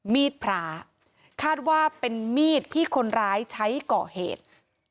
มีดพระคาดว่าเป็นมีดที่คนร้ายใช้ก่อเหตุ